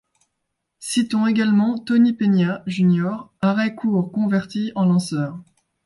Citons également Tony Peña, Jr., arrêt-court converti en lanceur.